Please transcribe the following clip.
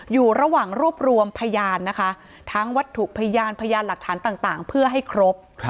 อยู่ระหว่างรวบรวมพยานนะคะทั้งวัตถุพยานพยานหลักฐานต่างเพื่อให้ครบ